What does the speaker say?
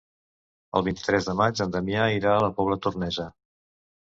El vint-i-tres de maig en Damià irà a la Pobla Tornesa.